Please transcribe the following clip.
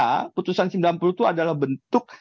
keputusan seribu sembilan ratus sembilan puluh itu adalah bentuk